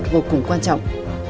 vô cùng quan trọng